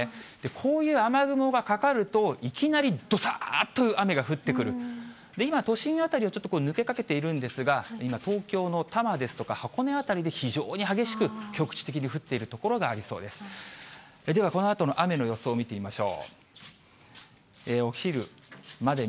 こういう雨雲がかかると、いきなりどさっと雨が降ってくる、今、都心辺りはちょっと抜けかけているんですが、今、東京の多摩ですとか、箱根辺りで非常に激しく、局地的に降っている所がありそうです。